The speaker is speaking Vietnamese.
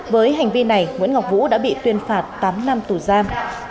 với hành vi này nguyễn ngọc vũ đã bị tuyên phạt tám năm tù giam